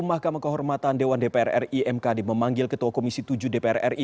mahkamah kehormatan dewan dpr ri mkd memanggil ketua komisi tujuh dpr ri